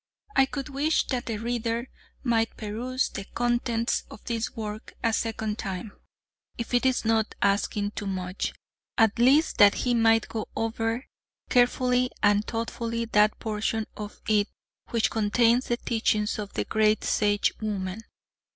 I could wish that the reader might peruse the contents of this work a second time, if it is not asking too much; at least that he might go over carefully and thoughtfully that portion of it which contains the teachings of the great Sagewoman.